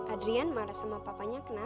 adrian marah sama papanya kena